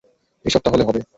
এসব তাহলে হবে!